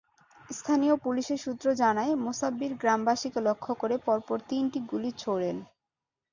স্থানীয় পুলিশের সূত্র জানায়, মোসাব্বির গ্রামবাসীকে লক্ষ্য করে পরপর তিনটি গুলি ছোড়েন।